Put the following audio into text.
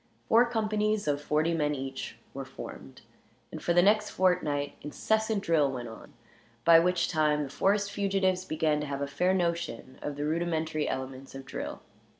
Four companies, of forty men, each were formed; and for the next fortnight incessant drill went on, by which time the forest fugitives began to have a fair notion of the rudimentary elements of drill.